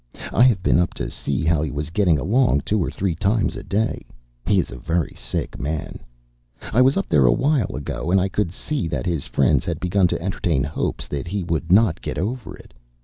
I have been up to see how he was getting along two or three times a day.... He is a very sick man; I was up there a while ago, and I could see that his friends had begun to entertain hopes that he would not get over it.